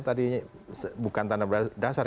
tadi bukan tanda dasar